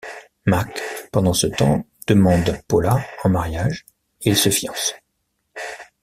Mac, pendant ce temps, demande Paula en mariage et ils se fiancent.